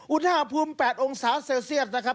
อุณหภูมิ๘องศาเซลเซียตนะครับ